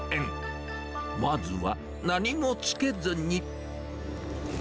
まずは何もつけずに。